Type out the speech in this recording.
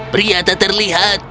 pria tak terlihat